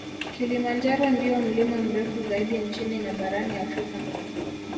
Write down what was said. Kilimanjaro ndio mlima mrefu zaidi nchini na barani Afrika